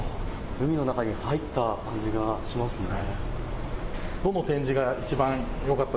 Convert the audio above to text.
海の中に入った感じがしますね。